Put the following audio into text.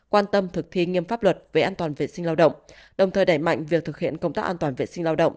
quan tâm thực thi nghiêm pháp luật về an toàn vệ sinh lao động đồng thời đẩy mạnh việc thực hiện công tác an toàn vệ sinh lao động